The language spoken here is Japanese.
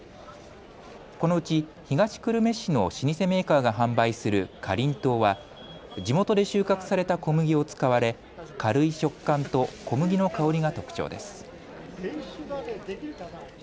このうち東久留米市の老舗メーカーが販売するかりんとうは地元で収穫された小麦を使われ軽い食感と小麦の香りが特徴です。